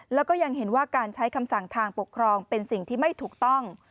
แล้วก็ยังเห็นว่าการใช้คำสั่งทางปกครองเป็นสิ่งที่ไม่ถูกต้อง